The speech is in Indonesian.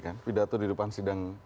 ya pidato di depan sidang